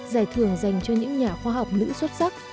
giải thưởng dành cho những nhà khoa học nữ xuất sắc